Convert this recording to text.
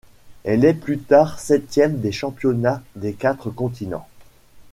Elle est plus tard septième des Championnats des quatre continents.